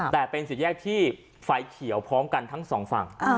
แต่เป็นสี่แยกที่ไฟเขียวพร้อมกันทั้งสองฝั่ง